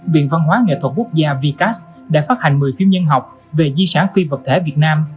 viện văn hóa nghệ thuật quốc gia vks đã phát hành một mươi phim nhân học về di sản phi vật thể việt nam